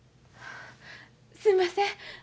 すんません。